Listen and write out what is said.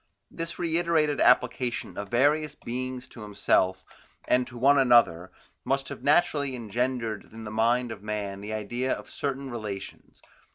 This reiterated application of various beings to himself, and to one another, must have naturally engendered in the mind of man the idea of certain relations.